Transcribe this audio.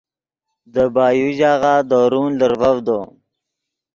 دے بایو ژاغہ درون لرڤڤدو